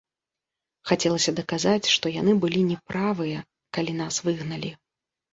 Хацелася даказаць, што яны былі не правыя, калі нас выгналі.